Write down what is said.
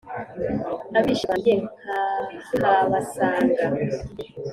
abishi bange nkahabasanga